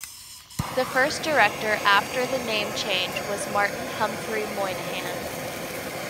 The first director after the name change was Martin Humphrey Moynihan.